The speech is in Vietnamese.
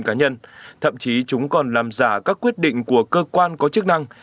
thông tin cá nhân thậm chí chúng còn làm giả các quyết định của cơ quan có chức năng